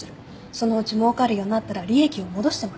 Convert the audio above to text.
そのうちもうかるようになったら利益を戻してもらう。